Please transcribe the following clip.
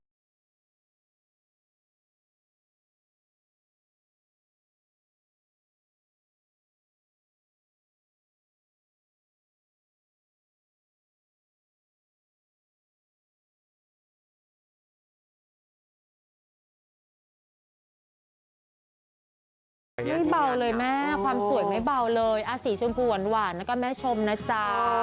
ไม่เบาเลยแม่ความสวยไม่เบาเลยสีชมพูหวานแล้วก็แม่ชมนะจ๊ะ